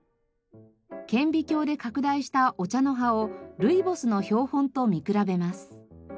顕微鏡で拡大したお茶の葉をルイボスの標本と見比べます。